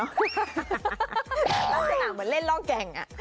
ร่องแก่งเหมือนเล่นร่องแก่ง